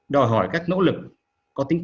đòi hỏi các nỗ lực có tính